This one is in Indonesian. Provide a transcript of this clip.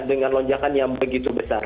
dengan lonjakan yang begitu besar